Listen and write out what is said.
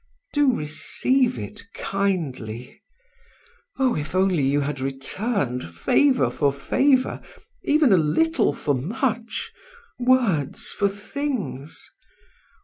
Do receive it kindly. Oh, if only you had returned favor for favor, even a little for the much, words for things!